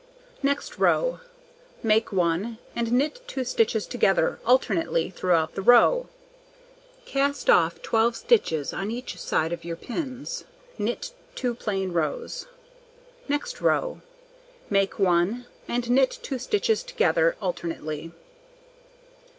Next row: Make 1, and knit 2 stitches together alternately throughout the row, cast off 12 stitches on each side of your pins, knit 2 plain rows. Next row: Make 1, and knit 2 stitches together alternately.